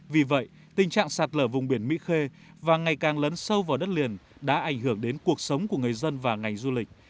vì vậy tình trạng sạt lở vùng biển mỹ khê và ngày càng lấn sâu vào đất liền đã ảnh hưởng đến cuộc sống của người dân và ngành du lịch